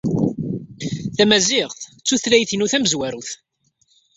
Tamaziɣt d tutlayt-inu tamezwarut.